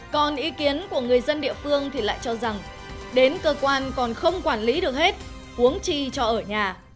còn ý kiến của người dân địa phương thì lại cho rằng đến cơ quan còn không quản lý được hết uống chi cho ở nhà